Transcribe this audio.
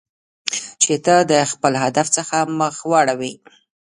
چې ته د خپل هدف څخه مخ واړوی.